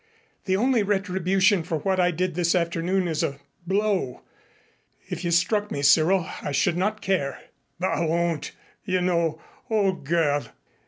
The only retribution for what I did this afternoon is a blow. If you struck me, Cyril, I should not care." "But I won't, you know, old girl.